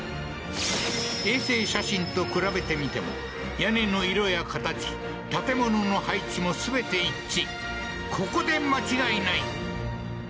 衛星写真と比べてみても屋根の色や形建物の配置も全て一致